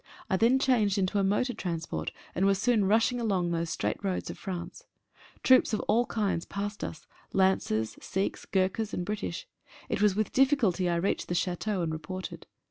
I then changed into a motor transport, and was soon rushing along those straight roads of France. Troops of all kinds passed us — Lancers, Sikhs, Gurkhas, and British. It was with difficulty I reached the Chateau, and reported.